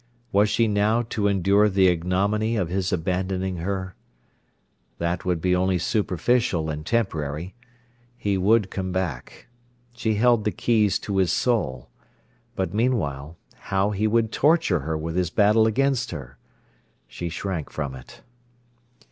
Was she now to endure the ignominy of his abandoning her? That would only be superficial and temporary. He would come back. She held the keys to his soul. But meanwhile, how he would torture her with his battle against her. She shrank from it.